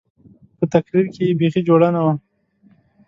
په تقرير کښې يې بيخي جوړه نه وه.